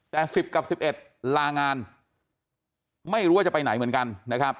แต่๑๐กับ๑๑ลางานไม่รู้ว่าจะไปไหนเหมือนกันนะครับ